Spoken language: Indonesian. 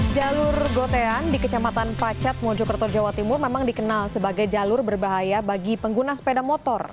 jalur gotean di kecamatan pacet mojokerto jawa timur memang dikenal sebagai jalur berbahaya bagi pengguna sepeda motor